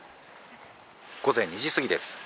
午前２時過ぎです。